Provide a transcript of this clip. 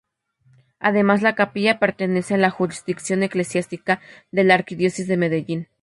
Además, la capilla pertenece a la jurisdicción eclesiástica de la Arquidiócesis de Medellín.